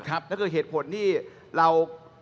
และนี่คือเหตุผลที่เรา